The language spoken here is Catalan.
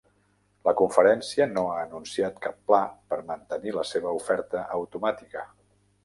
La conferència no ha anunciat cap pla per mantenir la seva oferta automàtica.